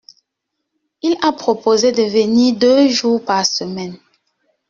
Il a proposé de venir deux jours par semaine.